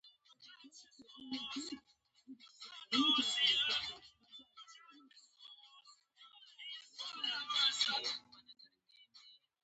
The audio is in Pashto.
د روزانه ژوند د ګردونو او خاورو پاکول دي.